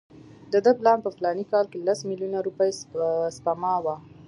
د ده پلان په فلاني کال کې لس میلیونه روپۍ سپما وه.